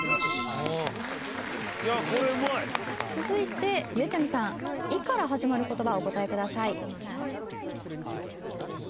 続いてゆうちゃみさん「い」から始まる言葉お答えください。